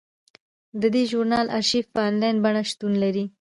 د دې ژورنال ارشیف په انلاین بڼه شتون لري.